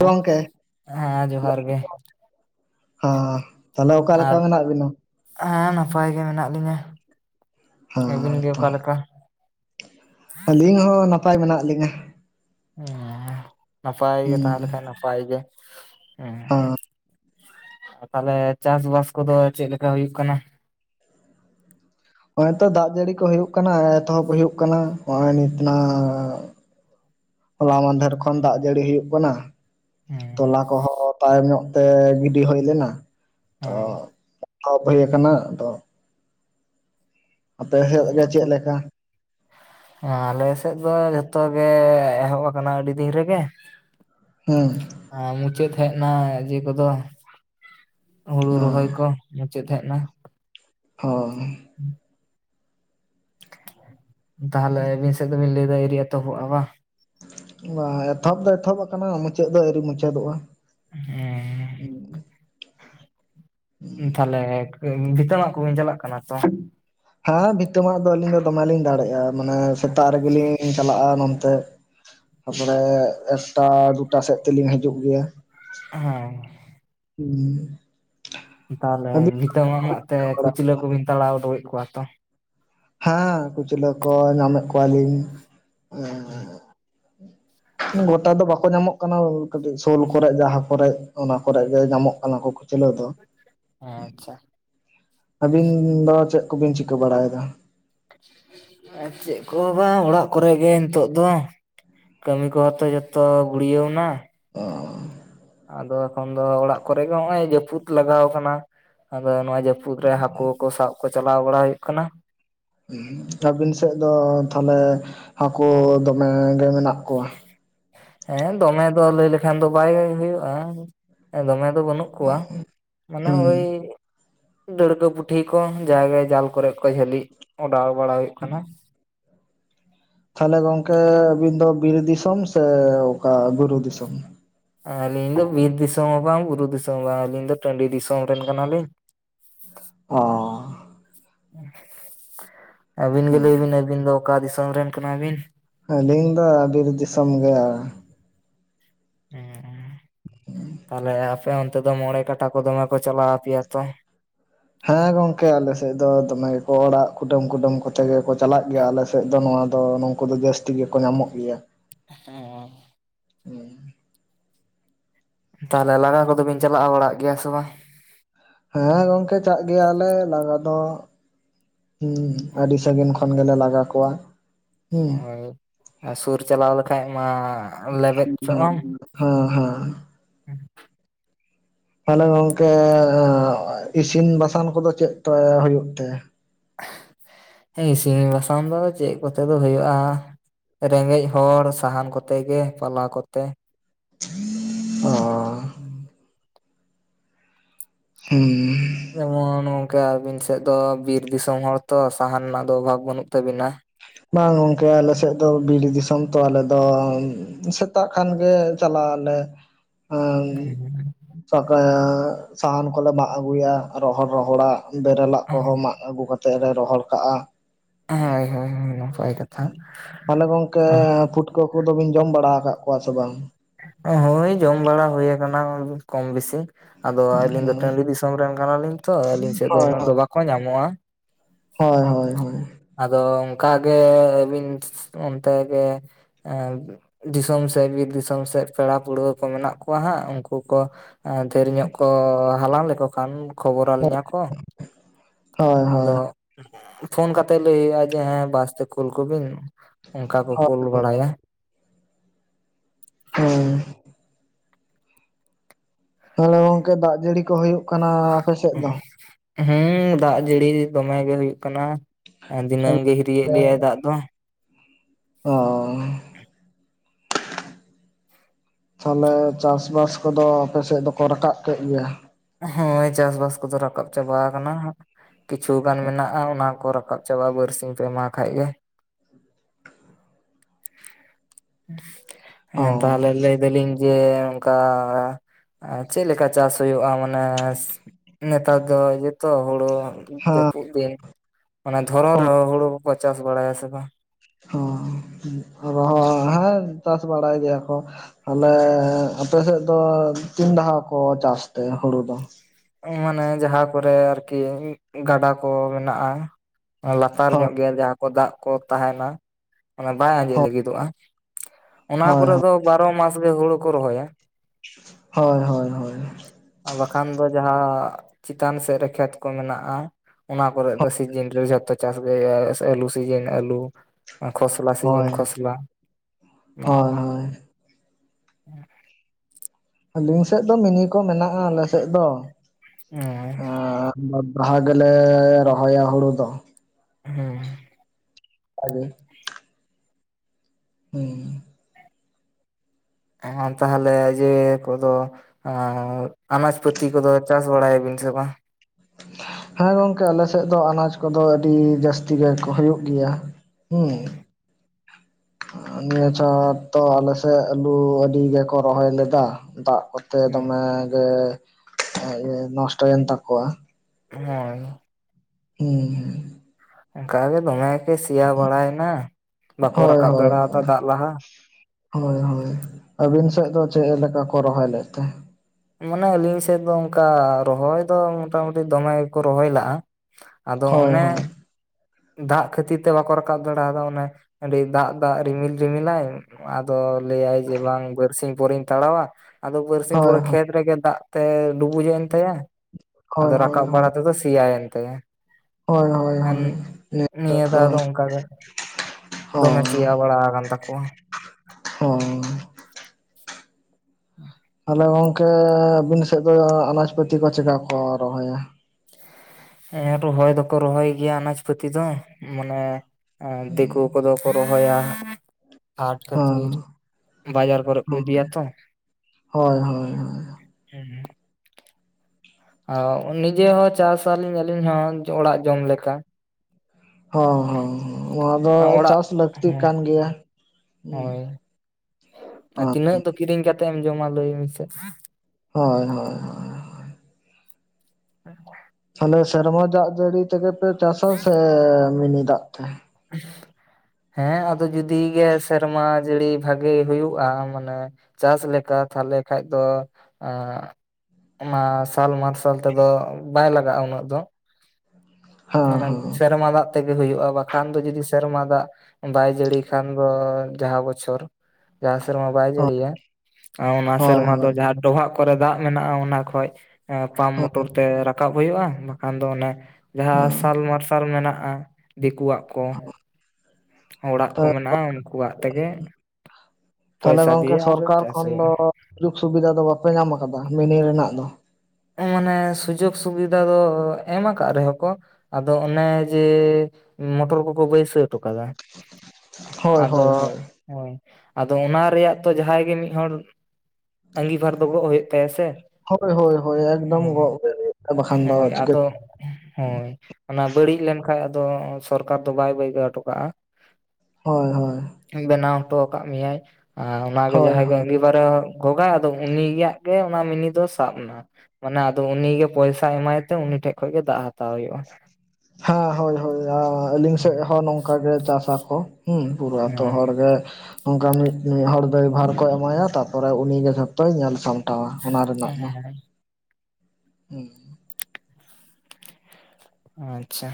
ᱜᱚᱝᱠᱮ ᱦᱮᱸ ᱡᱚᱦᱟᱨ ᱜᱮ ᱚᱜ ᱛᱟᱦᱚᱞᱮ ᱚᱠᱟ ᱞᱮᱠᱟ ᱟᱨ ᱢᱮᱱᱟᱜ ᱵᱤᱱᱟ ᱦᱮᱸ ᱱᱟᱯᱟᱭ ᱜᱮ ᱢᱮᱱᱟᱜ ᱞᱤᱧᱟ ᱦᱳᱭᱛᱚ ᱟᱹᱞᱤᱧ ᱦᱚᱸ ᱱᱟᱯᱟᱭ ᱢᱮᱱᱟᱜ ᱞᱤᱧᱟᱹ ᱦᱮᱸ ᱱᱟᱯᱟᱭ ᱜᱮ ᱛᱟᱦᱞᱮ ᱦᱩᱸ ᱠᱷᱟᱜ ᱱᱟᱯᱟᱭ ᱜᱮ ᱦᱮᱸ ᱛᱟᱦᱚᱞᱮ ᱪᱟᱥᱵᱟᱥ ᱠᱚᱫᱚ ᱪᱮᱫᱞᱮᱠᱟ ᱦᱩᱭᱩᱜ ᱠᱟᱱᱟ ᱱᱚᱜ ᱚᱭᱛᱚ ᱫᱟᱜ ᱡᱟᱹᱲᱤ ᱠᱚ ᱦᱩᱭᱩᱜ ᱠᱟᱱᱟ ᱮᱛᱚᱦᱚᱵ ᱦᱩᱭᱩᱜ ᱠᱟᱱᱟ ᱱᱚᱜ ᱚᱭ ᱱᱤᱛ ᱱᱟ ᱦᱚᱞᱟ ᱢᱟᱦᱫᱷᱮᱨ ᱠᱷᱚᱱ ᱫᱟᱜ ᱡᱟᱹᱲᱤ ᱦᱩᱭᱩᱜ ᱠᱟᱱᱟ ᱦᱮᱸ ᱛᱚᱞᱟ ᱠᱚᱦᱚᱸ ᱛᱟᱭᱚᱢ ᱧᱚᱜ ᱛᱮ ᱜᱤᱰᱤ ᱦᱩᱭ ᱞᱮᱱᱟ ᱛᱚ ᱦᱳᱭ ᱚ ᱦᱩᱭ ᱠᱟᱱᱟ ᱟᱫᱚ ᱟᱯᱮ ᱦᱮᱡ ᱜᱮ ᱪᱮᱫ ᱞᱮᱠᱟ ᱦᱮ ᱟᱞᱮ ᱥᱮᱫ ᱫᱚ ᱡᱚᱛᱚ ᱜᱮ ᱮᱦᱚᱵ ᱟᱠᱟᱱᱟ ᱟᱹᱰᱤ ᱫᱤᱱ ᱨᱮᱜᱮ ᱦᱮᱸ ᱟᱦ ᱢᱩᱪᱟᱹᱫ ᱦᱮᱡᱱᱟ ᱮᱡ ᱠᱚᱫᱚ ᱦᱩᱲᱩ ᱦᱚᱸ ᱨᱚᱦᱚᱭ ᱠᱚ ᱢᱩᱪᱟᱹᱫ ᱛᱟᱦᱮᱸᱱᱟ ᱦᱚᱸ ᱦᱩᱸ [inaudible] ᱛᱟᱦᱚᱞᱮ ᱟᱹᱵᱤᱱ ᱥᱮᱫ ᱫᱚᱵᱤᱱ ᱞᱟᱹᱭᱫᱟ ᱮᱨᱤ ᱟᱛᱚᱵᱟ ᱵᱟᱝ ᱵᱟᱝ ᱮᱛᱚᱦᱚᱵ ᱫᱚ ᱮᱛᱚᱦᱚᱵ ᱠᱟᱱᱟ ᱢᱩᱪᱟᱹᱫ ᱫᱚ ᱟᱹᱣᱨᱤ ᱢᱩᱪᱟᱹᱫᱚᱜᱼᱟ ᱦᱮᱸ ᱦᱩᱸ ᱛᱟᱦᱞᱮ ᱵᱷᱤᱛᱟ. ᱢᱟᱜ ᱠᱚ ᱵᱤᱱ ᱠᱟᱱᱟ ᱛᱚ ᱦᱮᱸ ᱵᱷᱤᱛᱟᱹᱟᱜ ᱫᱚ ᱟᱹᱞᱤᱧ ᱫᱚ ᱫᱚᱢᱮᱞᱤᱧ ᱫᱟᱲᱮᱭᱟᱜᱼᱟ ᱢᱟᱱᱮ ᱥᱮᱛᱟᱜ ᱨᱮᱜᱮᱞᱤᱧ ᱪᱟᱞᱟᱜᱼᱟ ᱱᱚᱱᱛᱮ ᱛᱟᱯᱚᱨᱮ ᱮᱠᱴᱟ ᱫᱩᱴᱟ ᱥᱮᱫ ᱛᱮᱞᱤᱧ ᱦᱤᱡᱩᱜ ᱜᱮᱭᱟ ᱦᱮ ᱚᱸ ᱛᱟᱦᱚᱞᱮ ᱵᱷᱤᱛᱟᱹ ᱢᱟᱜ ᱢᱟᱜ ᱛᱮ ᱠᱩᱪᱞᱟᱹ ᱠᱚᱵᱤᱱ ᱛᱟᱞᱟᱣ ᱩᱰᱩᱠ ᱮᱫ ᱠᱚᱣᱟ ᱛᱚ᱾ ᱦᱟᱸ ᱠᱩᱪᱞᱟᱹ ᱠᱚ ᱧᱟᱢᱮᱫ ᱠᱚᱣᱟᱞᱤᱧ᱾ᱮᱸ ᱜᱳᱴᱟ ᱫᱚ ᱵᱟᱠᱚ ᱧᱟᱢᱚᱜ ᱠᱟᱱᱟ, ᱠᱟᱹᱴᱤᱡ ᱥᱳᱞ ᱠᱚᱨᱮ ᱡᱟᱦᱟᱸ ᱠᱚᱨᱮ ᱚᱱᱟ ᱠᱚᱨᱮ ᱜᱮ ᱧᱟᱢᱚᱜ ᱠᱟᱱᱟ ᱠᱚ᱾ ᱪᱮᱞᱚ ᱫᱚ᱾ ᱦᱮᱸ ᱟᱪᱪᱷᱟ᱾ ᱟᱹᱵᱤᱱ ᱫᱚ ᱪᱮᱫ ᱠᱚᱵᱤᱱ ᱪᱤᱠᱟᱹ ᱵᱟᱲᱟᱭᱮᱫᱟ? ᱪᱮᱫ ᱠᱚ ᱦᱚ ᱵᱟ ᱚᱲᱟᱜ ᱠᱚᱨᱮ ᱜᱮ ᱱᱤᱛᱚᱜ ᱫᱚ᱾ ᱠᱟᱹᱢᱤ ᱠᱚᱦᱚ ᱛᱚ ᱡᱚᱛᱚ ᱜᱩᱲᱤᱭᱟᱹᱣ ᱮᱱᱟ᱾ ᱚᱸ ᱟᱫᱚ ᱮᱠᱷᱚᱱ ᱫᱚ ᱚᱲᱟᱜ ᱠᱚᱨᱮ ᱜᱮ ᱚᱜ ᱚᱭ ᱡᱟᱹᱯᱩᱫ ᱞᱟᱜᱟᱣ ᱟᱠᱟᱱᱟ᱾ ᱟᱫᱚ ᱱᱚᱣᱟ ᱡᱟᱹᱯᱩᱫ ᱨᱮ ᱦᱟᱹᱠᱩ ᱠᱚ ᱥᱟᱵ ᱠᱚ ᱪᱟᱞᱟᱣ ᱵᱟᱲᱟ ᱦᱩᱭᱩᱜ ᱠᱟᱱᱟ᱾ ᱟᱹᱵᱤᱱ ᱥᱮᱫ ᱫᱚ ᱛᱷᱟᱞᱮ ᱦᱟᱹᱠᱩ ᱫᱚᱢᱮ ᱜᱮ ᱢᱮᱱᱟᱜ ᱠᱚᱣᱟ᱾ ᱦᱮᱸ ᱫᱚᱢᱮ ᱫᱚ ᱞᱟᱹᱭ ᱞᱮᱠᱷᱟᱱ ᱫᱚ ᱵᱟᱭ ᱦᱩᱭᱩᱜᱼᱟ, ᱫᱚᱢᱮ ᱫᱚ ᱵᱟᱹᱱᱩᱜ ᱠᱚᱣᱟ, ᱢᱟᱱᱮ ᱦᱩᱸ ᱳᱭ ᱰᱟᱹᱲᱜᱟᱹ ᱯᱩᱴᱷᱤ ᱠᱚ ᱡᱟᱜᱮ ᱡᱟᱞ ᱠᱚᱨᱮ ᱠᱚ ᱡᱷᱟᱹᱞᱤᱜ ᱚᱰᱟᱣ ᱵᱟᱲᱟ ᱦᱩᱭᱩᱜ ᱠᱟᱱᱟ᱾ [unintelligible] ᱛᱷᱟᱞᱮ ᱜᱚᱝᱠᱮ ᱟᱹᱵᱤᱱ ᱫᱚ ᱵᱤᱨ ᱫᱤᱥᱚᱢ ᱥᱮ ᱚᱠᱟ ᱵᱩᱨᱩ ᱫᱤᱥᱚᱢ? ᱟᱹᱞᱤᱧ ᱫᱚ ᱵᱤᱨ ᱫᱤᱥᱚᱢ ᱦᱚᱸ ᱵᱟᱝ ᱵᱩᱨᱩ ᱫᱤᱥᱚᱢ ᱦᱚᱸ ᱵᱟᱝ ᱟᱹᱞᱤᱧ ᱫᱚ ᱴᱟᱺᱰᱤ ᱫᱤᱥᱚᱢ ᱨᱮᱱ ᱠᱟᱱᱟᱞᱤᱧ᱾ ᱚᱻ ᱟᱹᱵᱤᱱ ᱜᱤ ᱞᱟᱹᱭ ᱦᱮᱸ ᱵᱤᱱ ᱟᱹᱵᱤᱱ ᱫᱚ ᱚᱠᱟ ᱫᱤᱥᱚᱢ ᱨᱮᱱ ᱠᱟᱱᱟ ᱵᱤᱱ? ᱟᱹᱞᱤᱧ ᱫᱚ ᱵᱤᱨ ᱫᱤᱥᱚᱢ ᱜᱮᱭᱟ᱾ ᱛᱟᱦᱞᱮ ᱟᱯᱮ ᱚᱱᱛᱮ ᱫᱚ ᱢᱚᱬᱮ ᱠᱟᱴᱟ ᱠᱚ ᱫᱚᱢᱮ ᱠᱚ ᱪᱟᱞᱟᱣ ᱟᱯᱮᱭᱟ ᱛᱚ᱾ ᱦᱮᱸ ᱜᱚᱝᱠᱮ ᱟᱞᱮᱥᱮᱫ ᱫᱚ ᱫᱚᱢᱮ ᱜᱮᱠᱚ ᱚᱲᱟᱜ ᱠᱩᱰᱟᱹᱢ ᱠᱩᱰᱟᱹᱢ ᱠᱚᱛᱮ ᱜᱮᱠᱚ ᱪᱟᱞᱟᱜ ᱜᱮᱭᱟ ᱟᱞᱮᱥᱮᱫ ᱫᱚ ᱱᱚᱣᱟ ᱫᱚ ᱱᱚᱝ ᱩᱱᱠᱩ ᱫᱚ ᱡᱟᱹᱥᱛᱤ ᱜᱮᱠᱚ ᱧᱟᱢᱚᱜ ᱜᱮᱭᱟ᱾ ᱦᱮᱸ ᱦᱩᱸ ᱛᱟᱦᱚᱞᱮ ᱞᱟᱜᱟ ᱠᱚᱫᱚ ᱵᱤᱱ ᱪᱟᱞᱟᱣ ᱵᱟᱲᱟᱜ ᱜᱮᱭᱟ ᱥᱮ ᱵᱟᱝ? ᱦᱮᱸ ᱜᱚᱝᱠᱮ ᱪᱟᱜ ᱜᱮᱭᱟᱞᱮ ᱞᱟᱜᱟ ᱫᱚ, ᱩᱸ ᱟᱹᱰᱤ ᱥᱟᱹᱜᱤᱧ ᱠᱷᱚᱱ᱾ ᱠᱷᱚᱱ ᱜᱮᱞᱮ ᱞᱟᱜᱟ ᱠᱚᱣᱟ᱾ ᱦᱩᱸ ᱦᱳᱭ, ᱟᱨ ᱥᱩᱨ ᱪᱟᱞᱟᱣ ᱞᱮᱠᱷᱟᱡ ᱢᱟ ᱞᱮᱵᱮᱫ ᱦᱮᱸ ᱪᱚᱜ ᱟᱢ ᱦᱮᱸ᱾ [inaudible] ᱛᱷᱟᱞᱮ ᱜᱚᱝᱠᱮ ᱤᱥᱤᱱ ᱵᱟᱥᱟᱱ ᱠᱚᱫᱚ ᱪᱮᱫ ᱛᱚᱭ ᱦᱩᱭᱩᱜ ᱛᱮ? ᱤᱥᱤᱱ ᱵᱟᱥᱟᱱ ᱫᱚ ᱪᱮᱫ ᱠᱚᱛᱮ ᱫᱚ ᱦᱩᱭᱩᱜᱼᱟ᱾ ᱨᱮᱸᱜᱮᱡ ᱦᱚᱲ ᱥᱟᱦᱟᱱ ᱠᱚᱛᱮ ᱜᱮ ᱯᱟᱞᱟ ᱠᱚᱛᱮ᱾ ᱚᱸ ᱦᱩᱸ ᱡᱮᱢᱚᱱ ᱚᱝᱠᱟ ᱟᱹᱵᱤᱱ ᱥᱮᱫ ᱫᱚ ᱵᱤᱨ ᱫᱤᱥᱚᱢ ᱦᱚᱲ ᱛᱚ ᱥᱟᱦᱟᱱ ᱨᱮᱱᱟᱜ ᱫᱚ ᱚᱵᱷᱟᱵᱽ ᱵᱟᱹᱱᱩᱜ ᱛᱟᱵᱤᱱᱟ᱾ ᱵᱟᱝ ᱜᱚᱝᱠᱮ ᱟᱞᱮᱥᱮᱫ ᱫᱚ ᱵᱤᱨ ᱫᱤᱥᱚᱢ ᱛᱚ ᱟᱞᱮ ᱫᱚ ᱥᱮᱛᱟᱜ ᱠᱷᱟᱱ ᱜᱮ ᱪᱟᱞᱟᱜ ᱟᱞᱮ᱾ ᱦᱮᱸ ᱥᱟᱸᱜᱮᱭᱟ ᱥᱟᱦᱟᱱ ᱠᱚᱞᱮ ᱢᱟᱜ ᱟᱹᱜᱩᱭᱟ ᱨᱚᱦᱚᱲ ᱨᱚᱦᱚᱲᱟᱜ᱾ ᱵᱮᱨᱮᱞᱟᱜ ᱠᱚᱦᱚᱸ ᱢᱟᱜ ᱟᱹᱜᱩ ᱠᱟᱛᱮᱫ ᱨᱮ ᱨᱚᱦᱚᱲ ᱠᱟᱜᱼᱟ᱾ ᱦᱮᱸ ᱦᱳᱭ ᱦᱳᱭ ᱦᱳᱭ ᱱᱟᱯᱟᱭ ᱠᱟᱛᱷᱟ᱾ ᱠᱩᱠᱩ ᱫᱚᱵᱤᱱ ᱡᱚᱢ ᱵᱟᱲᱟᱣ ᱟᱠᱟᱫ ᱠᱚᱣᱟ ᱥᱮ ᱵᱟᱝ? ᱦᱳᱭ ᱡᱚᱢ ᱵᱟᱲᱟ ᱦᱩᱭ ᱟᱠᱟᱱᱟ ᱠᱚᱢ ᱵᱮᱥᱤ᱾ ᱟᱫᱚ ᱟᱹᱞᱤᱧ ᱫᱚ ᱴᱟᱺᱰᱤ ᱫᱤᱥᱚᱢ ᱨᱮᱱ ᱠᱟᱱᱟᱞᱤᱧ ᱛᱚ ᱟᱹᱞᱤᱧ ᱥᱮᱫ ᱫᱚ ᱦᱳᱭ ᱩᱱᱟᱹᱜ ᱫᱚ ᱵᱟᱠᱚ ᱧᱟᱢᱚᱜᱼᱟ᱾ ᱦᱳᱭ ᱦᱳᱭ ᱦᱳᱭ᱾ ᱟᱫᱚ ᱚᱱᱠᱟᱜᱮ ᱟ. ᱵᱤᱱ ᱚᱱᱛᱮ ᱜᱮ ᱮᱸ ᱫᱤᱥᱚᱢ ᱥᱮᱫ ᱵᱤᱨ ᱫᱤᱥ ᱫᱤᱥᱚᱢ ᱥᱮᱫ ᱯᱮᱲᱟ ᱯᱟᱹᱲᱣᱟᱹ ᱠᱚ ᱢᱮᱱᱟᱜ ᱠᱚᱣᱟ ᱦᱟᱸᱜ ᱩᱱᱠᱩ ᱠᱚ ᱫᱷᱮᱨ ᱧᱚᱜ ᱠᱚ ᱦᱟᱞᱟᱝ ᱞᱮᱠᱚ ᱠᱷᱟᱱ ᱠᱷᱚᱵᱚᱨ ᱟᱹᱞᱤᱧᱟᱠᱚ ᱦᱳᱭ ᱦᱳᱭ ᱟᱫᱚ ᱦᱳᱭ ᱯᱷᱳᱱ ᱠᱟᱛᱮᱜ ᱞᱟᱹᱭ ᱦᱩᱭᱩᱜᱼᱟ ᱡᱮ ᱦᱮᱸ ᱵᱟᱥᱛᱮ ᱠᱩᱞ ᱠᱚᱵᱤᱱ ᱚᱱᱠᱟ ᱠᱚ ᱠᱳᱞ ᱵᱟᱲᱟᱭᱟ ᱦᱮᱸ ᱛᱟᱦᱞᱮ ᱜᱚᱝᱠᱮ ᱫᱟᱜ ᱡᱟᱹᱲᱤ ᱠᱚ ᱦᱳᱭᱳᱜ ᱦᱮᱸ ᱫᱟᱜ ᱡᱟᱹᱲᱤ ᱫᱚᱢᱮ ᱜᱮ ᱦᱩᱭᱩᱜ ᱠᱟᱱᱟ ᱫᱤᱱᱟᱹᱢ ᱜᱮ ᱦᱤᱨᱤᱭᱮᱫ ᱞᱮᱭᱟᱭ ᱫᱟᱜ ᱫᱚ ᱚᱻ ᱛᱟᱦᱚᱞᱮ ᱪᱟᱥᱵᱟᱥ ᱠᱚᱫᱚ ᱟᱯᱮᱥᱮᱫ ᱫᱚᱠᱚ ᱨᱟᱠᱟᱵ ᱠᱮᱫ ᱜᱮᱭᱟ ᱦᱳᱭ ᱪᱟᱥᱵᱟᱥ ᱠᱚᱫᱚ ᱨᱟᱠᱟᱵ ᱪᱟᱵᱟ ᱟᱠᱟᱱᱟ‌ ᱦᱟᱸᱜ ᱠᱤᱪᱷᱩ ᱜᱟᱱ ᱢᱮᱱᱟᱜᱼᱟ ᱚᱱᱟ ᱠᱚ ᱨᱟᱠᱟᱵ ᱪᱟᱵᱟᱜᱼᱟ ᱵᱟᱨᱥᱤᱧ ᱯᱮ ᱢᱟᱦᱟ ᱠᱷᱟᱡ ᱜᱮ [unintelligible] [inaudible] ᱦᱮᱸ ᱚ ᱛᱟᱦᱚᱞᱮ ᱞᱟᱹᱭ ᱫᱟᱞᱤᱧ ᱡᱮ ᱚᱱᱠᱟ ᱪᱮᱫ ᱞᱮᱠᱟ ᱪᱟᱥ ᱦᱩᱭᱩᱜᱼᱟ ᱱᱮᱥ ᱱᱮᱛᱟᱨ ᱫᱚ ᱡᱚᱛᱚ ᱦᱩᱲᱩ ᱦᱮᱸ ᱡᱟᱹᱯᱩᱫ ᱫᱤᱱ ᱢᱟᱱᱮ ᱫᱷᱚᱨᱚᱱ ᱦᱳᱭ ᱨᱮᱦᱚᱸ ᱦᱩᱲᱩ ᱠᱚᱠᱚ ᱪᱟᱥ ᱵᱟᱲᱟᱭᱟ ᱥᱮ ᱵᱟᱝ? ᱦᱚᱦ ᱦᱮᱸ ᱪᱟᱥ ᱵᱟᱲᱟᱭ ᱜᱮᱭᱟ ᱠᱚ ᱟᱞᱮ ᱟᱯᱮᱥᱮᱫ ᱫᱚ ᱛᱤᱱ ᱫᱟᱦᱟ ᱠᱚ ᱪᱟᱥ ᱛᱮ ᱦᱳᱲᱳ ᱫᱚ ᱢᱟᱱᱮ ᱡᱟᱦᱟᱸ ᱠᱚᱨᱮ ᱟᱨᱠᱤ ᱜᱟᱰᱟ ᱠᱚ ᱢᱮᱱᱟᱜᱼᱟ᱾ ᱞᱟᱛᱟᱨ ᱦᱳᱭ ᱧᱚᱜ ᱜᱮ ᱡᱟᱦᱟᱸ ᱠᱚ ᱫᱟᱜ ᱠᱚ ᱛᱟᱦᱮᱱᱟ, ᱚᱱᱟ ᱵᱟᱭ ᱟᱸᱡᱮᱫ ᱞᱟᱹᱜᱤᱫᱚᱜᱼᱟ᱾ ᱚᱱᱟ ᱦᱳᱭ ᱦᱳᱭ ᱠᱚᱨᱮ ᱫᱚ ᱵᱟᱨᱚ ᱢᱟᱥ ᱜᱮ ᱦᱳᱲᱳ ᱠᱚ ᱨᱚᱦᱚᱭᱟ᱾ ᱦᱳᱭ ᱦᱳᱭ ᱦᱳᱭ ᱵᱟᱠᱷᱟᱱ ᱫᱚ ᱡᱟᱦᱟᱸ ᱪᱮᱛᱟᱱ ᱥᱮᱫ ᱨᱮ ᱠᱷᱮᱛ ᱠᱚ ᱢᱮᱱᱟᱜᱼᱟ ᱚᱱᱟ ᱠᱚᱨᱮ ᱫᱚ ᱥᱤᱡᱤᱱ ᱨᱮ ᱡᱷᱚᱛᱚ ᱪᱟᱥ ᱜᱮ ᱦᱩᱭᱩᱜᱼᱟ, ᱟᱹᱞᱩ ᱥᱤᱡᱤᱱ ᱟᱞᱩ ᱠᱷᱚᱥᱞᱟ ᱥᱤᱡᱤᱱ ᱦᱳᱭ ᱠᱷᱚᱥᱞᱟ ᱚᱱᱟ ᱦᱳᱭ ᱠᱚ᱾ ᱦᱳᱭ ᱟᱹᱞᱤᱧ ᱥᱮᱫ ᱫᱚ ᱢᱤᱱᱤ ᱠᱚ ᱢᱮᱱᱟᱜᱼᱟ ᱾ᱟᱞᱮ ᱥᱮᱫ ᱫᱚ ᱵᱟᱜᱷ ᱞᱮ ᱨᱚᱦᱚᱭᱟ ᱦᱳᱲᱳ ᱫᱚ ᱦᱮᱸ [unintelligible] ᱦᱮᱸ ᱦᱮ ᱛᱟᱦᱚᱞᱮ ᱡᱮ ᱠᱚᱫᱚ ᱟᱨ ᱟᱱᱟᱡ ᱯᱟᱹᱛᱤ ᱠᱚᱫᱚ ᱪᱟᱥ ᱵᱟᱲᱟᱭ ᱟᱵᱤᱱ ᱥᱮ ᱵᱟᱝ? ᱦᱮᱸ ᱜᱚᱝᱠᱮ ᱟᱞᱮᱥᱮᱫ ᱫᱚ ᱟᱱᱟᱡ ᱠᱚᱫᱚ ᱟᱹᱰᱤ ᱡᱟᱹᱥᱛᱤ ᱜᱮ ᱦᱩᱭᱩᱜ ᱜᱮᱭᱟ᱾ ᱦᱮᱸ ᱱᱤᱭᱟᱹ ᱪᱷᱟᱴ ᱛᱚ ᱟᱞᱮᱥᱮᱫ ᱟᱞᱩ ᱟᱹᱰᱤ ᱜᱮᱠᱚ ᱨᱚᱦᱚᱭ ᱞᱮᱫᱟ ᱫᱟᱜ ᱠᱚᱛᱮ ᱛᱮ ᱫᱚᱢᱮ ᱜᱮ ᱱᱚᱥᱴᱚᱭᱮᱱ ᱛᱟᱠᱚᱣᱟ᱾ ᱦᱳᱭ ᱦᱩᱸ ᱦᱩᱸ ᱚᱱᱠᱟᱜ ᱜᱮ ᱫᱚᱢᱮᱤ ᱥᱮᱭᱟ ᱵᱟᱲᱟᱭᱮᱱᱟ, ᱵᱟᱠᱚ ᱦᱳᱭ ᱨᱟᱠᱟᱵ ᱦᱳᱭ ᱫᱟᱲᱮᱭᱟᱫᱟ ᱫᱟᱜ ᱞᱟᱦᱟ ᱦᱳᱭ ᱦᱳᱭ᱾ ᱟᱹᱵᱤᱱ ᱥᱮᱫ ᱫᱚ ᱪᱮᱫ ᱞᱮᱠᱟ ᱠᱚ ᱨᱚᱦᱚᱭ ᱞᱮᱫᱛᱮ? ᱢᱟᱱᱮ ᱟᱹᱞᱤᱧ ᱥᱮᱫ ᱫᱚ ᱚᱱᱠᱟ ᱨᱚᱦᱚᱭ ᱫᱚ ᱢᱚᱴᱟ ᱢᱩᱴᱤ ᱫᱚᱢᱮ ᱜᱮᱠᱚ ᱨᱚᱦᱚᱭ ᱞᱟᱜᱼᱟ᱾ ᱟᱫᱚ ᱦᱳᱭ ᱚᱱᱮ ᱦᱳᱭ ᱫᱟᱜ ᱠᱷᱟᱹᱛᱤᱨ ᱛᱮ ᱵᱟᱠᱚ ᱨᱟᱠᱟᱵ ᱫᱟᱲᱮ ᱟᱫᱟ ᱚᱱᱮ ᱟᱹᱰᱤ ᱫᱟᱜ ᱫᱟᱜ ᱨᱤᱢᱤᱞ ᱨᱤᱢᱤᱞᱟᱭ ᱟᱫᱚ ᱞᱟᱹᱭᱟᱭ ᱡᱮ ᱵᱟᱝ ᱵᱟᱨᱥᱤ ᱯᱚᱨᱮᱧ ᱛᱟᱲᱟᱢᱟ, ᱟᱫᱚ ᱵᱟᱨᱥᱤᱧ ᱦᱳᱭ ᱯᱚᱨᱮ ᱠᱷᱮᱛ ᱨᱮᱜᱮ ᱫᱟᱜ ᱛᱮ ᱰᱩᱵᱩ ᱮᱱ ᱛᱟᱭᱟ, ᱦᱳᱭ ᱟᱫᱚ ᱦᱳᱭ ᱦᱳᱭ ᱨᱟᱠᱟᱵ ᱵᱟᱲᱟ ᱦᱳᱭ ᱛᱮᱫᱚ ᱥᱮᱭᱟᱭᱮᱱ ᱛᱟᱭᱟ᱾ ᱦᱳᱭ ᱦᱳᱭ ᱦᱳᱭ ᱱᱤᱭᱟᱹ ᱫᱦᱟᱣ ᱫᱚ ᱚᱱᱠᱟ ᱜᱮ, ᱦᱳᱭ ᱫᱚᱢᱮ ᱥᱮᱭᱟ ᱵᱟᱲᱟ ᱟᱠᱟᱱ ᱛᱟᱠᱚᱣᱟ᱾ ᱦᱳᱭ [inaudible] ᱟᱫᱚ ᱜᱚᱝᱠᱮ ᱟᱹᱵᱤᱱ ᱥᱮᱫ ᱫᱚ ᱟᱱᱟᱡ ᱯᱟᱹᱛᱤ ᱠᱚ ᱪᱮᱠᱟ ᱠᱚ ᱨᱚᱦᱚᱭᱟ? ᱦᱮᱸ ᱨᱚᱦᱚᱭ ᱫᱚᱠᱚ ᱨᱚᱦᱚᱭ ᱜᱮᱭᱟ ᱟᱱᱟᱡ ᱯᱟᱹᱛᱤ ᱫᱚ, ᱢᱟᱱᱮ ᱮᱸ ᱫᱮᱠᱳ ᱠᱚᱫᱚ ᱠᱚ ᱨᱚᱦᱚᱭᱟ᱾ ᱦᱟᱴ ᱦᱮᱸ ᱠᱷᱟᱹᱛᱤᱨ ᱵᱟᱡᱟᱨ ᱠᱚᱨᱮ ᱠᱚ ᱦᱮᱸ ᱤᱫᱤᱭᱟ ᱛᱚ᱾ ᱦᱳᱭ ᱦᱳᱭ ᱦᱳᱭ ᱦᱩᱸᱻ ᱚ ᱱᱤᱡᱮ ᱦᱚᱸ ᱪᱟᱥ ᱟᱹᱞᱤᱧ ᱟᱹᱞᱤᱧ ᱦᱚᱸ ᱚᱲᱟᱜ ᱡᱚᱢ ᱞᱮᱠᱟ᱾ ᱚ ᱦᱚᱸ ᱦᱚᱸ ᱱᱚᱣᱟ ᱫᱚ ᱚᱲᱟᱜ ᱪᱟᱥ ᱞᱟᱹᱠᱛᱤᱜ ᱦᱮᱸ ᱠᱟᱱ ᱜᱮᱭᱟ᱾ ᱦᱩᱸ ᱦᱳᱭ ᱛᱤᱱᱟᱹᱜ [unintelligible] ᱫᱚ ᱠᱤᱨᱤᱧ ᱠᱟᱛᱮ ᱮᱢ ᱡᱚᱢᱟ ᱞᱟᱹᱭ ᱢᱮᱥᱮ ᱦᱳᱭ ᱦᱳᱭ ᱦᱳᱭ [unintelligible] ᱛᱟᱞᱚᱦᱮ ᱥᱮᱨᱢᱟ ᱡᱟᱜ ᱡᱟᱹᱲᱤ ᱛᱮᱜᱮ ᱯᱮ ᱪᱟᱥᱟ ᱥᱮ ᱢᱤᱱᱤ ᱫᱟᱜ ᱛᱮ [unintelligible] ᱦᱮᱸ ᱟᱫᱚ ᱡᱩᱫᱤ ᱜᱮ ᱥᱮᱨᱢᱟ ᱡᱟᱹᱲᱤ ᱵᱷᱟᱹᱜᱤ ᱦᱩᱭᱩᱜᱼᱟ, ᱢᱟᱱᱮ ᱪᱟᱥ ᱞᱮᱠᱟ ᱛᱷᱟᱞᱮ ᱠᱷᱟᱡ ᱫᱚ ᱮᱸᱻ ᱚᱱᱟ ᱥᱟᱞ ᱢᱟᱨᱥᱟᱞ ᱛᱮᱫᱚ ᱵᱟᱭ ᱞᱟᱜᱟᱜᱼᱟ ᱩᱱᱟᱹᱜ ᱫᱚ᱾ ᱦᱮᱸ ᱢᱟᱱᱮ ᱦᱮᱸ ᱥᱮᱨᱢᱟ ᱫᱟᱜ ᱛᱮᱜᱮ ᱦᱩᱭᱩᱜᱼᱟ, ᱵᱟᱠᱷᱟᱱ ᱫᱚ ᱡᱩᱫᱤ ᱥᱮᱨᱢᱟ ᱫᱟᱜ ᱵᱟᱭ ᱡᱟᱹᱲᱤ ᱠᱷᱟᱱ ᱫᱚᱻ ᱡᱟᱦᱟ ᱵᱚᱪᱷᱚᱨ ᱡᱟᱸᱦᱟ ᱥᱮᱨᱢᱟ ᱵᱟᱭ ᱦᱳᱭ ᱡᱟᱹᱲᱤᱭᱟ ᱟ ᱚᱱᱟ ᱦᱳᱭ ᱥᱮᱨᱢᱟ ᱫᱚ ᱦᱳᱭ ᱡᱟᱦᱟ ᱰᱚᱵᱷᱟᱜ ᱠᱚᱨᱮ ᱫᱟᱜ ᱢᱮᱱᱟᱜᱼᱟ ᱚᱱᱟ ᱠᱷᱚᱡ, ᱯᱟᱢ ᱦᱳᱭ ᱢᱚᱴᱚᱨ ᱛᱮ ᱨᱟᱠᱟᱵ ᱦᱩᱭᱩᱜᱼᱟ ᱵᱟᱠᱷᱟᱱ ᱫᱚ ᱚᱱᱮ ᱡᱟᱸᱦᱟ ᱥᱟᱞ ᱢᱟᱨᱥᱟᱞ ᱢᱮᱱᱟᱜᱼᱟ ᱫᱤᱠᱩᱣᱟᱜ ᱠᱚ᱾ ᱦᱚᱲᱟᱜ ᱠᱚ ᱢᱮᱱᱟᱜᱼᱟ, ᱩᱝᱠᱩᱣᱟᱜ ᱛᱮᱜᱮ, ᱛᱟᱦᱞᱮ ᱯᱚᱭᱥᱟ ᱜᱚᱝᱠᱮ ᱫᱤᱭᱮ ᱟᱨᱚ ᱥᱚᱨᱠᱟᱨ ᱪᱟᱥ ᱠᱷᱚᱱ ᱦᱩᱭᱩᱜᱼᱟ᱾ ᱫᱚ ᱥᱩᱡᱳᱜᱽ ᱥᱩᱵᱤᱫᱟ ᱫᱚ ᱵᱟᱯᱮ ᱧᱟᱢ ᱠᱟᱫᱟ, ᱢᱤᱱᱤ ᱨᱮᱱᱟᱜ ᱫᱚ? ᱢᱟᱱᱮ ᱥᱩᱡᱳᱜᱽ ᱥᱩᱵᱤᱫᱟ ᱫᱚ ᱮᱢ ᱟᱠᱟᱜ ᱨᱮᱦᱚᱸ ᱠᱚ ᱟᱫᱚ ᱚᱱᱮ ᱡᱮ ᱢᱚᱴᱚᱨ ᱠᱚᱠᱚ ᱵᱟᱹᱭᱥᱟᱹᱣ ᱴᱚᱠᱟᱫᱟ᱾ ᱦᱳᱭ ᱟᱫᱚ ᱦᱳᱭ ᱦᱳᱭ ᱦᱚᱸ ᱟᱫᱚ ᱚᱱᱟ ᱨᱮᱭᱟᱜ ᱛᱚ ᱡᱟᱦᱟᱸᱭ ᱜᱮ ᱢᱤᱫ ᱦᱚᱲ ᱟᱸᱜᱤᱵᱷᱟᱨ ᱫᱚ ᱜᱚᱜ ᱦᱩᱭᱩᱜ ᱛᱟᱭᱟ ᱥᱮ? ᱦᱳᱭ ᱦᱳᱭ ᱦᱳᱭ ᱮᱠᱫᱚᱢ ᱜᱚᱜ ᱜᱮ ᱦᱳᱭᱳᱜ ᱛᱟᱭᱟ, ᱵᱟᱠᱷᱟᱱ ᱫᱚ ᱪᱤᱠᱟᱹ ᱦᱩᱸ ᱚᱱᱟ ᱵᱟᱹᱲᱤᱡ ᱞᱮᱱᱠᱷᱟᱡ ᱟᱫᱚ, ᱥᱚᱨᱠᱟᱨ ᱫᱚ ᱵᱟᱭ ᱵᱟᱹᱭ ᱜᱟᱹᱣ ᱴᱚᱠᱟᱜᱼᱟ᱾ ᱦᱳᱭ ᱦᱳᱭ᱾ ᱵᱮᱱᱟᱣ ᱦᱚᱴᱚ ᱠᱟᱣᱜ ᱢᱮᱭᱟᱭ, ᱟ ᱚᱱᱟᱜᱮ ᱦᱳᱭ ᱡᱟᱦᱟᱸᱭ ᱜᱮ ᱦᱳᱭ ᱟᱸᱜᱤᱨ ᱵᱷᱟᱨᱮ ᱜᱚᱜᱟᱭ ᱟᱫᱚ ᱩᱱᱤ ᱭᱟᱜ ᱜᱮ ᱚᱱᱟ ᱢᱤᱱᱤ ᱫᱚ ᱥᱟᱵ ᱱᱟ᱾ ᱢᱟᱱᱮ ᱟᱫᱚ ᱩᱱᱤᱜᱮ ᱯᱚᱭᱥᱟ ᱮᱢᱟᱭ ᱛᱮ, ᱩᱱᱤ ᱴᱷᱮᱜ ᱠᱷᱚᱜ ᱜᱮ ᱫᱟᱜ ᱦᱟᱛᱟᱣ ᱦᱩᱭᱩᱜᱼᱟ᱾ ᱦᱟᱸ ᱦᱳᱭ ᱦᱳᱭ ᱟᱹᱞᱤᱧ ᱥᱮᱫ ᱦᱚᱸ ᱱᱚᱝᱠᱟ ᱜᱮ ᱪᱟᱥᱟᱠᱚ ᱦᱩᱸ᱾ ᱯᱩᱨᱟᱹ ᱟᱛᱳ ᱦᱚᱲ ᱦᱮᱸ ᱜᱮ ᱚᱝᱠᱟ ᱢᱤᱫ ᱢᱤᱫ ᱦᱚᱲ ᱫᱚᱭ ᱵᱷᱟᱨ ᱠᱚ ᱮᱢᱟᱭᱟ, ᱛᱟᱯᱚᱨᱮ ᱩᱱᱤ ᱜᱮ ᱡᱷᱚᱛᱚᱭ ᱧᱮᱞ ᱥᱟᱢᱴᱟᱣᱟ, ᱚᱱᱟ ᱨᱮᱱᱟᱜ ᱫᱚ᱾ ᱦᱩᱸ᱾ ᱚ ᱟᱪᱪᱷᱟ,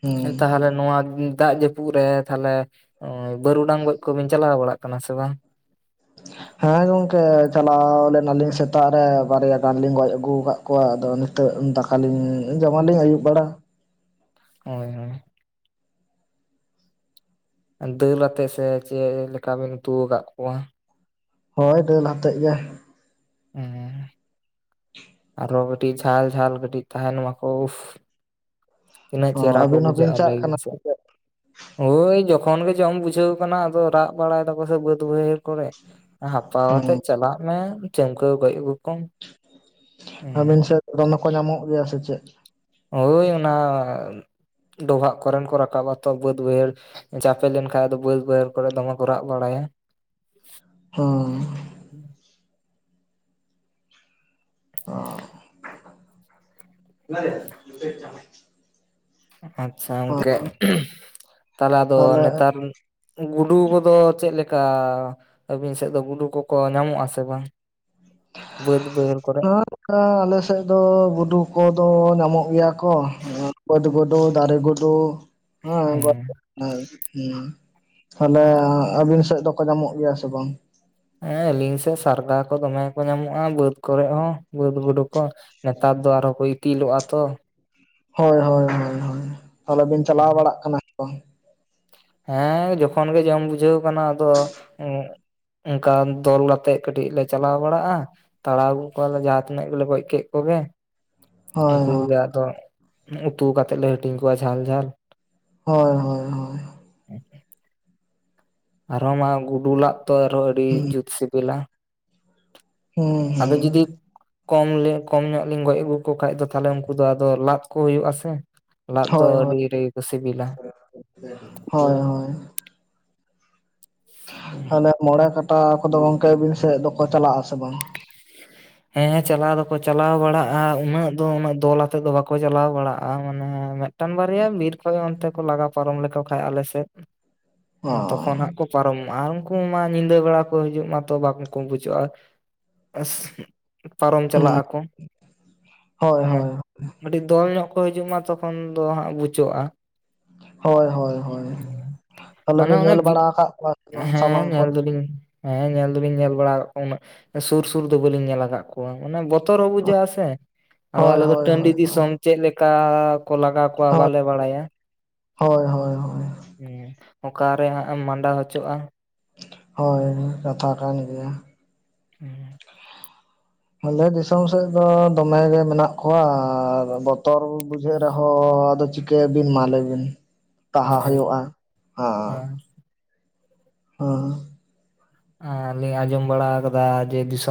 ᱦᱩᱸ ᱛᱟᱦᱚᱞᱮ ᱱᱚᱣᱟ ᱫᱟᱜ ᱡᱟᱯᱩᱜ ᱨᱮ, ᱛᱟᱦᱞᱮ ᱵᱟᱹᱨᱩᱰᱟᱝ ᱜᱚᱡ ᱠᱚᱵᱤᱱ ᱪᱟᱞᱟᱣ ᱵᱟᱲᱟᱜ ᱠᱟᱱᱟ ᱥᱮ ᱵᱟᱝ? ᱦᱮᱸ ᱜᱚᱝᱠᱮ ᱪᱟᱞᱟᱣ ᱞᱮᱱᱟᱞᱤᱧ ᱥᱮᱛᱟᱜ ᱨᱮ, ᱵᱟᱨᱭᱟ ᱜᱟᱱ ᱞᱤᱧ ᱜᱚᱡ ᱟᱹᱜᱩ ᱠᱟᱜ ᱠᱚᱣᱟ, ᱟᱫᱚ ᱛᱮᱜ ᱫᱟᱠᱟᱞᱤᱧ ᱡᱚᱢᱟᱞᱤᱧ ᱟᱹᱭᱩᱵ ᱵᱮᱲᱟ᱾ ᱦᱳᱭ ᱦᱳᱭ᱾ ᱫᱟᱹᱞ ᱟᱛᱮᱜ ᱥᱮ ᱪᱮᱜ ᱞᱮᱠᱟᱵᱤᱱ ᱩᱛᱩ ᱠᱟᱜ ᱠᱳᱣᱟ? ᱦᱳᱭ ᱫᱟᱹᱞ ᱟᱛᱮᱜ ᱜᱮ᱾ ᱚᱸᱻ [unintelligible] ᱟᱨᱦᱚ ᱠᱟᱹᱴᱤᱡ ᱡᱷᱟᱞ ᱡᱷᱟᱞ ᱠᱟᱹᱴᱤᱡ ᱛᱟᱦᱮᱸᱱ ᱢᱟᱠᱚ ᱩᱯᱥ ᱛᱤᱱᱟᱹᱜ ᱚ ᱪᱮᱦᱨᱟ ᱠᱚ ᱟᱹᱵᱤᱱ ᱦᱚᱸᱵᱤᱱ ᱵᱩᱡᱷᱟᱹᱜᱼᱟ ᱪᱟᱜ ᱞᱟᱹᱭ ᱠᱟᱱᱟ ᱵᱤᱱ ᱥᱮ? ᱪᱮᱫ ᱦᱳᱭ ᱡᱚᱠᱷᱚᱱ ᱜᱮ ᱡᱚᱢ ᱵᱩᱡᱷᱟᱹᱣ ᱠᱟᱱᱟ, ᱟᱫᱚ ᱨᱟᱜ ᱵᱟᱲᱟᱭ ᱫᱟᱠᱚ ᱥᱮ ᱵᱟᱹᱫ ᱵᱟᱹᱭᱦᱟᱹᱲ ᱠᱚᱨᱮ ᱦᱟᱯᱟ ᱦᱩᱸ ᱟᱛᱮ ᱪᱟᱞᱟᱜ ᱢᱮ ᱪᱟᱹᱢᱠᱟᱹᱣ ᱜᱚᱡ ᱟᱹᱜᱩ ᱠᱚᱢ᱾ ᱦᱮᱸ ᱟᱹᱵᱤᱱ ᱥᱮᱫ ᱫᱚᱢᱮ ᱠᱚ ᱧᱟᱢᱚᱜ ᱜᱮᱭᱟ ᱥᱮ ᱪᱮᱫ? ᱦᱳᱭ ᱚᱱᱟ ᱰᱚᱵᱷᱟᱜ ᱠᱚᱨᱮᱱ ᱠᱚ ᱨᱟᱠᱟᱵ ᱟᱛᱚ ᱵᱟᱹᱫ ᱵᱟᱹᱭᱦᱟᱹᱲ ᱪᱟᱯᱮ ᱞᱮᱱᱠᱟᱱ ᱟᱫᱚ ᱵᱟᱹᱫ ᱵᱟᱹᱭᱦᱟᱹᱲ ᱠᱚᱨᱮ ᱫᱚᱢᱮ ᱠᱚ ᱨᱟᱜ ᱵᱟᱲᱟᱭᱟ᱾ ᱦᱩᱸᱻ ᱚᱻ ᱟᱪᱪᱷᱟ ᱜᱚᱝᱠᱮ, ᱛᱟᱦᱚᱞᱮ ᱟᱫᱚ ᱱᱮᱛᱟᱨ ᱜᱩᱰᱩ ᱠᱚᱫᱚ ᱪᱮᱫ ᱞᱮᱠᱟ ᱟᱹᱵᱤᱱ ᱥᱮᱫ ᱫᱚ ᱜᱩᱰᱩ ᱠᱚᱠᱚ ᱧᱟᱢᱚᱜᱼᱟ ᱥᱮ ᱵᱟᱝ? ᱵᱟᱹᱫᱽ ᱵᱟᱹᱭᱦᱟᱲ ᱠᱚᱨᱮ ᱠᱟᱨᱟ ᱟᱞᱮᱥᱮᱫ ᱫᱚ ᱜᱩᱰᱩ ᱠᱚᱫᱚ ᱧᱟᱢᱚᱜ ᱜᱮᱭᱟ ᱠᱚ ᱵᱟᱹᱫᱽ ᱜᱩᱰᱩ, ᱫᱟᱨᱮ ᱜᱩᱰᱩ, ᱫᱚ ᱦᱮᱸ [unintelligible] ᱦᱳᱭ ᱦᱩᱸ, ᱛᱟᱦᱚᱞᱮ ᱟᱹᱵᱤᱱ ᱥᱮᱫ ᱫᱚᱠᱚ ᱧᱟᱢᱚᱜ ᱜᱮᱭᱟ ᱥᱮ ᱵᱟᱝ? ᱦᱮᱸ ᱟᱹᱞᱤᱧ ᱥᱮᱫ ᱥᱟᱨᱜᱟ ᱠᱚ ᱫᱚᱢᱮ ᱠᱚ ᱧᱟᱢᱚᱜᱼᱟ ᱵᱟᱹᱫᱽ ᱠᱚᱨᱮ ᱦᱚᱸ ᱵᱟᱹᱫᱽ ᱜᱳᱰᱳ ᱠᱚ᱾ ᱱᱮᱛᱟᱨ ᱫᱚ ᱟᱨᱦᱚᱸ ᱠᱚ ᱤᱛᱤᱞᱚᱜᱼᱟ ᱛᱚ᱾ ᱦᱳᱭ ᱦᱳᱭ ᱦᱳᱭ ᱛᱟᱦᱚᱞᱮ ᱵᱤᱱ ᱪᱟᱞᱟᱣ ᱵᱟᱲᱟᱜ ᱠᱟᱱᱟ ᱦᱮᱸ ᱡᱚᱠᱷᱚᱱ ᱜᱮ ᱡᱚᱢ ᱵᱩᱡᱷᱟᱹᱣ ᱠᱟᱱᱟ ᱟᱫᱚ ᱚᱱᱠᱟ ᱫᱚᱞ ᱟᱛᱮᱜ ᱠᱟᱹᱴᱤᱡ ᱞᱮ ᱪᱟᱞᱟᱣ ᱵᱟᱲᱟᱜᱼᱟ ᱛᱟᱲᱟᱣ ᱜᱚᱜ ᱠᱚᱣᱟᱞᱮ ᱡᱟᱦᱟᱸᱛᱤᱱᱟᱹᱜ ᱜᱮᱞᱮ ᱜᱚᱡ ᱠᱮᱫ ᱠᱚᱜᱮ ᱦᱳᱭ ᱩᱱᱠᱩ ᱦᱳᱭ ᱜᱮ ᱟᱫᱚ ᱩᱛᱩ ᱠᱟᱛᱮᱫ ᱞᱮ ᱦᱟᱹᱴᱤᱧ ᱠᱚᱣᱟ ᱡᱷᱟᱹᱞ ᱡᱷᱟᱹᱞ ᱦᱳᱭ ᱦᱳᱭ ᱦᱳᱭ [inaudible] ᱟᱨᱦᱚᱸ ᱢᱟ ᱜᱩᱰᱩᱞᱟᱜ ᱛᱚ ᱟᱨᱚ ᱟᱹᱰᱤ ᱡᱩᱛ ᱥᱤᱵᱤᱞᱟ ᱦᱩᱸ ᱟᱫᱚ ᱦᱩᱸ ᱡᱩᱫᱤ ᱠᱚᱢ ᱠᱚᱢ ᱧᱚᱜ ᱞᱤᱧ ᱜᱚᱡ ᱟᱹᱜᱩᱠᱚ ᱠᱷᱟᱱ ᱫᱚ ᱛᱟᱦᱚᱞᱮ ᱩᱱᱠᱩ ᱫᱚ ᱟᱫᱚ ᱞᱟᱫ ᱠᱚ ᱦᱩᱭᱩᱜᱼᱟ ᱥᱮ ᱞᱟᱫ ᱫᱚ ᱦᱳᱭ ᱟᱹᱰᱤ ᱦᱳᱭ ᱨᱮᱠᱚ ᱥᱤᱵᱤᱞᱟ ᱦᱳᱭ ᱦᱳᱭ ᱦᱟᱱᱮ ᱢᱚᱬᱮ ᱠᱟᱴᱟ ᱠᱚᱫᱚ ᱜᱚᱝᱠᱮ ᱟᱹᱵᱤᱱ ᱥᱮᱫ ᱫᱚᱠᱚ ᱪᱟᱞᱟᱜ ᱟᱥᱮ ᱵᱟᱝ ᱦᱮᱸ ᱪᱟᱞᱟᱣ ᱫᱚᱠᱚ ᱪᱟᱞᱟᱣ ᱵᱟᱲᱟᱜᱼᱟ ᱩᱱᱟᱹᱜ ᱫᱚ ᱩᱱᱟᱹᱜ ᱫᱚᱞ ᱟᱛᱮᱫ ᱫᱚ ᱵᱟᱠᱚ ᱪᱟᱞᱟᱣ ᱵᱟᱲᱟᱜᱼᱟ ᱢᱟᱱᱮ ᱢᱤᱫ ᱴᱟᱱ ᱵᱟᱨᱭᱟ ᱵᱤᱨ ᱠᱷᱚᱡ ᱚᱱᱛᱮ ᱠᱚ ᱞᱟᱜᱟ ᱯᱟᱨᱚᱢ ᱞᱮᱠᱚ ᱠᱷᱟᱡ ᱟᱞᱮᱥᱮᱫ ᱚ ᱛᱚᱠᱷᱚᱱ ᱦᱟᱸᱜ ᱠᱚ ᱯᱟᱨᱚᱢᱚᱜᱼᱟ ᱟᱨ ᱩᱱᱠᱩ ᱢᱟ ᱧᱤᱫᱟᱹ ᱵᱮᱲᱟ ᱠᱚ ᱦᱤᱡᱩᱜ ᱢᱟᱛᱚ ᱵᱟᱝ ᱠᱚ ᱵᱩᱡᱷᱟᱹᱜᱼᱟ ᱯᱟᱨᱚᱢ ᱦᱩᱸ ᱪᱟᱞᱟᱜ ᱟᱠᱚ ᱦᱳᱭ ᱢᱟᱱᱮ ᱦᱳᱭ ᱠᱟᱹᱴᱤᱡ ᱫᱚᱞ ᱧᱚᱜ ᱠᱚ ᱦᱤᱡᱩᱜ ᱢᱟ ᱛᱚᱠᱷᱚᱱ ᱫᱚ ᱦᱟᱸᱜ ᱵᱩᱪᱚᱜᱼᱟ ᱦᱳᱭ ᱦᱳᱭ ᱦᱳᱭ ᱛᱟᱦᱚᱞᱮ ᱢᱟᱱᱮ ᱵᱮᱱ ᱚᱱᱟ ᱧᱮᱞ ᱵᱤ ᱵᱟᱲᱟ ᱟᱠᱟᱜ ᱠᱚᱣᱟ ᱥᱮ ᱵᱟᱝ ᱦᱮᱸ ᱥᱟᱢᱟᱝ ᱧᱮᱞ ᱠᱷᱚᱡ ᱫᱚᱞᱤᱧ ᱦᱮᱸ ᱧᱮᱞ ᱫᱚᱞᱤᱧ ᱧᱮᱞ ᱵᱟᱲᱟ ᱟᱠᱟᱜ ᱠᱚᱣᱟ ᱩᱱᱟᱹᱜ ᱥᱩᱨ ᱥᱩᱨ ᱫᱚ ᱵᱟᱹᱞᱤᱧ ᱧᱮᱞ ᱟᱠᱟᱜ ᱠᱟᱜ ᱠᱚᱣᱟ ᱢᱟᱱᱮ ᱵᱚᱛᱚᱨ ᱦᱚᱸ ᱵᱩᱡᱷᱟᱹᱜᱼᱟ ᱥᱮ ᱟᱫᱚ ᱦᱳᱭ ᱟᱞᱮ ᱫᱚ ᱦᱳᱭ ᱦᱳᱭ ᱴᱟᱺᱰᱤ ᱦᱳᱭ ᱫᱤᱥᱚᱢ ᱪᱮᱫ ᱞᱮᱠᱟ ᱠᱚ ᱞᱟᱜᱟ ᱠᱚᱣᱟ ᱦᱳᱭ ᱵᱟᱞᱮ ᱵᱟᱲᱟᱭᱟ ᱦᱳᱭ ᱦᱳᱭ ᱦᱳᱭ ᱦᱮᱸ ᱚᱠᱟᱨᱮ ᱦᱟᱸᱜ ᱮᱢ ᱢᱟᱸᱰᱟ ᱦᱚᱪᱚᱜᱼᱟ ᱦᱳᱭ ᱠᱟᱛᱷᱟ ᱠᱟᱱ ᱜᱮᱭᱟ ᱦᱮᱸ ᱟᱞᱮ ᱫᱤᱥᱚᱢ ᱥᱮᱫ ᱫᱚ ᱫᱚᱢᱮ ᱜᱮ ᱢᱮᱱᱟᱜ ᱠᱚᱣᱟ ᱟᱨ ᱵᱚᱛᱚᱨ ᱵᱩᱡᱷᱟᱹᱜ ᱨᱮᱦᱚᱸ ᱟᱫᱚ ᱪᱤ ᱠᱟᱹᱭ ᱵᱤᱱ ᱢᱟ ᱞᱟ. ᱭ ᱵᱤᱱ ᱛᱟᱦᱟ ᱦᱳᱭ ᱦᱩᱭᱩᱜᱼᱟ ᱟᱨ [inaudible] ᱞᱤᱧ ᱟᱸᱡᱚᱢ ᱵᱟᱲᱟ ᱟᱠᱟᱫᱟ ᱡᱮ ᱫᱤᱥᱚᱢ